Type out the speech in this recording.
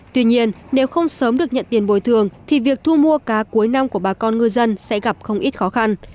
tuy nhiên nếu không sớm được nhận tiền bồi thường thì việc thu mua cá cuối năm của bà con ngư dân sẽ gặp không ít khó khăn